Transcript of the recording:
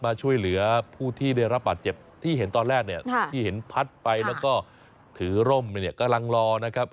มาช่วยเหลือผู้ที่ได้รับบาดเจ็บที่เห็นตอนแรกเนี่ยที่เห็นพัดไปแล้วก็ถือร่มไปเนี่ยกำลังรอนะครับ